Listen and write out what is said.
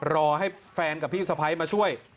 รอให้แฟนกับพี่สะพ้ายมาช่วย